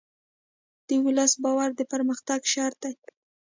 د ولس باور د پرمختګ شرط دی.